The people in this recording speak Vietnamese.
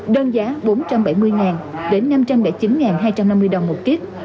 đơn giá bốn trăm bảy mươi đến năm trăm bảy mươi chín hai trăm năm mươi đồng một kiếp